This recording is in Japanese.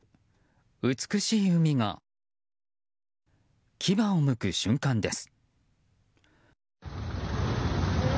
美しい海が牙をむく瞬間です。